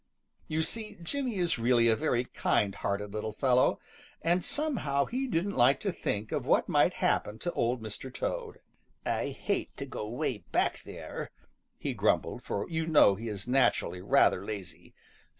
You see, Jimmy is really a very kind hearted little fellow, and somehow he didn't like to think of what might happen to Old Mr. Toad. "I hate to go way back there," he grumbled, for you know he is naturally rather lazy.